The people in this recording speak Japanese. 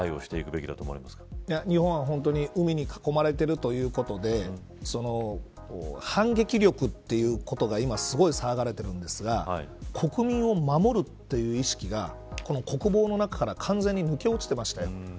日本は日本は海に囲まれているということで反撃力ということが今すごい騒がれているんですが国民を守るという意識が国防の中から完全に抜け落ちていました。